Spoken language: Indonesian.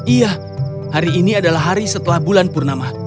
iya hari ini adalah hari setelah bulan purnama